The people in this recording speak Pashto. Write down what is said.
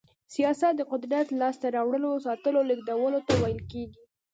سياست د قدرت لاسته راوړلو، ساتلو او لېږدولو ته ويل کېږي.